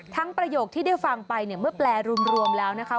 ทั้งประโยคที่ได้ฟังไปเมื่อแปลรวมแล้วนะคะ